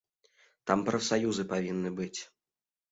Там прафсаюзы павінны быць.